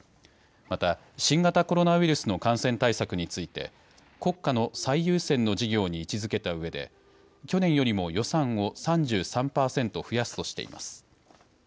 また、新型コロナウイルスの感染対策について国家の最優先の事業に位置づけたうえで去年よりも予算を３３％増やすとしています。